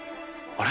あれ？